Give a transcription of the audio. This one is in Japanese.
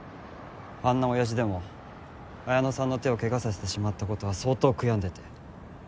あんな親父でも文乃さんの手をケガさせてしまったことは相当悔やんでて。